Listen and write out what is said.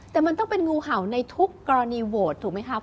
แต่มันต้องเป็นงูเห่าในทุกกรณีโหวตถูกไหมครับ